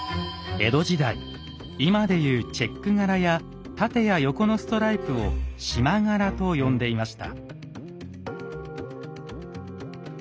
江戸時代今で言うチェック柄や縦や横のストライプを「縞柄」と呼んでいました。